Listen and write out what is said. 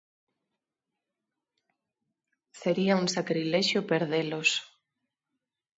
Sería un sacrilexio perdelos.